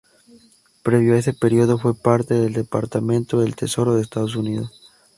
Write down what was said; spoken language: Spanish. Previo a ese periodo fue parte del Departamento del Tesoro de Estados Unidos.